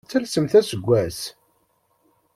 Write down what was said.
Ad talsemt aseggas!